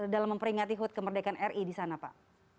dalam memperingati hut kemerdekaan ri di sana pak